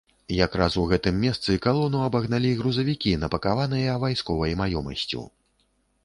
Якраз у гэтым месцы калону абагналі грузавікі, напакаваныя вайсковай маёмасцю.